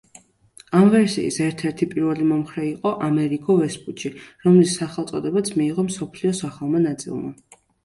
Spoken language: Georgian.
ამ ვერსიის ერთ-ერთი პირველი მომხრე იყო ამერიგო ვესპუჩი, რომლის სახელწოდებაც მიიღო მსოფლიოს ახალმა ნაწილმა.